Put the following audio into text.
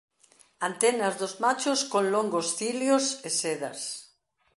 Antenas dos machos con longos cilios e sedas.